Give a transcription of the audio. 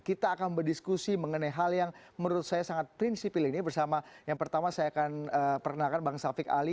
kita akan berdiskusi mengenai hal yang menurut saya sangat prinsipil ini bersama yang pertama saya akan perkenalkan bang safik ali